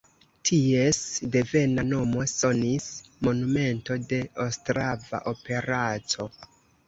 Ties devena nomo sonis Monumento de Ostrava operaco.